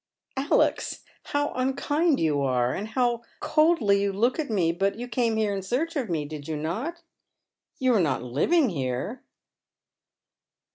" Alex, how unkind you are, and how coldly you look at me ! But you came here in search of me, did you not? You are not living here?"